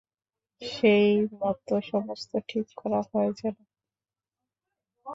সেইমত সমস্ত ঠিক করা হয় যেন।